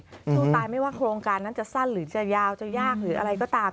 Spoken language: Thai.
สู้ตายไม่ว่าโครงการนั้นจะสั้นหรือจะยาวจะยากหรืออะไรก็ตาม